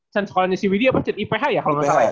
sen sekolahnya si widi apa cen iph ya kalau gak salah ya